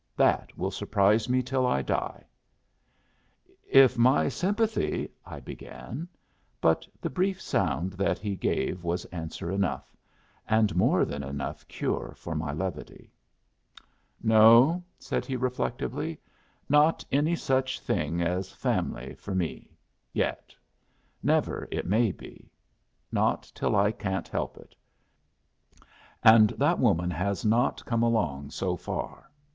"That will surprise me till I die." "If my sympathy " I began. But the brief sound that he gave was answer enough, and more than enough cure for my levity. "No," said he, reflectively; "not any such thing as a fam'ly for me, yet. Never, it may be. Not till I can't help it. And that woman has not come along so far.